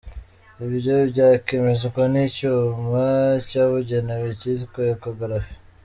Ibyo byakemezwa n’icyuma cyabugenewe cyitwa ecogaraphie.